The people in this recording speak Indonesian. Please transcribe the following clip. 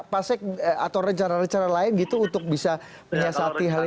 pasek atau rencana rencana lain gitu untuk bisa menyiasati hal ini